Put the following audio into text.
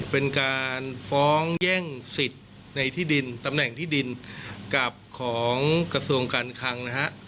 เป็นการฟ้องแย่งสิทธิ์ในที่ดินตำแหน่งที่ดินกับของกระทรวงการคังนะฮะ